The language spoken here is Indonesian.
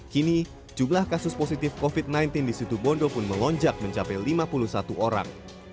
kini jumlah kasus positif covid sembilan belas di situ bondo pun melonjak mencapai lima puluh satu orang